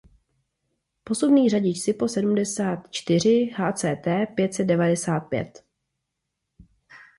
Posuvný řadič Sipo sedmdesátčtyři hct pětsetdevadesát pět